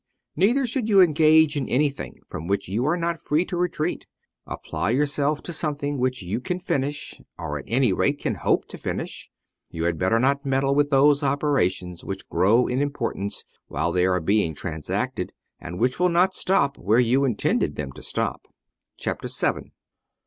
Neither should you engage in anything from which you are not free to retreat : apply yourself to something which you can finish, or at any rate can hope to finish : you had better not meddle with those operations which grow in importance, while they are being transacted, and which will not stop where you in tended them to stop. VII.